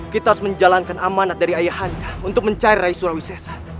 kita harus menjalankan amanat dari ayah hanka untuk mencari ray surawi sesa